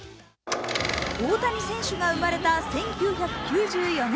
大谷選手が生まれた１９９４年